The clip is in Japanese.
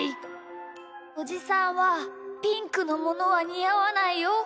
おじさんはピンクのものはにあわないよ。